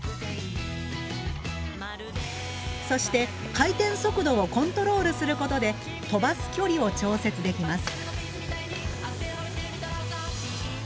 そして回転速度をコントロールすることで飛ばす距離を調節できます。